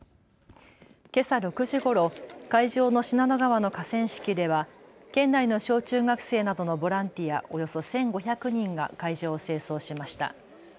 けさ６時ごろ、会場の信濃川の河川敷では県内の小中学生などのボランティアおよそ１５００人が会場を清掃しました。